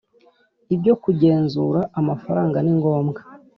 Ibyo kugenzura amafaranga ningombwa